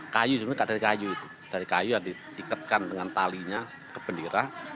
kayu sebenarnya dari kayu yang ditiketkan dengan talinya ke bendera